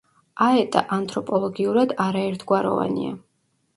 აეტა ანთროპოლოგიურად არაერთგვაროვანია.